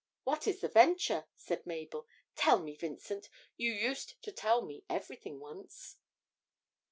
'What is the venture?' said Mabel. 'Tell me, Vincent; you used to tell me everything once.'